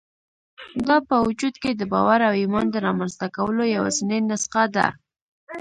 دا په وجود کې د باور او ايمان د رامنځته کولو يوازېنۍ نسخه ده.